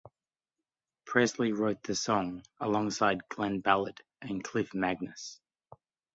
Presley wrote the song alongside Glen Ballard and Clif Magness.